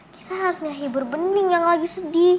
kita harusnya hibur bening yang lagi sedih